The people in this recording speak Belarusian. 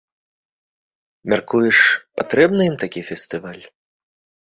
Мяркуеш, патрэбны ім такі фестываль?